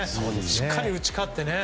しっかり打ち勝ってね。